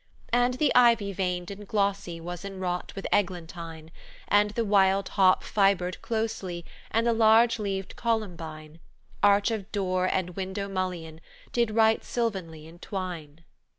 "And the ivy veined and glossy Was enwrought with eglantine; And the wild hop fibred closely, And the large leaved columbine, Arch of door and window mullion, did right sylvanly entwine.